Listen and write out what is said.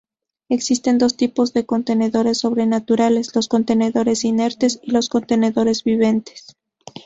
Existen dos tipos de contenedores sobrenaturales: los contenedores inertes y los contenedores vivientes.